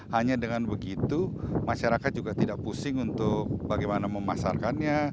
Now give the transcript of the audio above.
hanya dengan begitu masyarakat juga tidak pusing untuk bagaimana memasarkannya